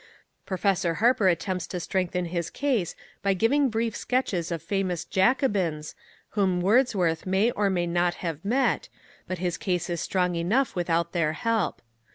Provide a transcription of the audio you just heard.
Professor Harper attempts to strengthen his case by giving brief sketches of famous "Jacobins," whom Wordsworth may or may not have met, but his case is strong enough without their help.